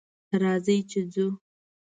راځئ چې ځو